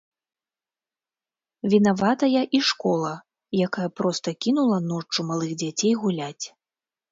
Вінаватая і школа, якая проста кінула ноччу малых дзяцей гуляць.